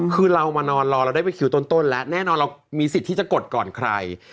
คือเรามานอนรอเราได้ไปคิวต้นแล้วแน่นอนเรามีสิทธิ์ที่จะกดก่อนใคร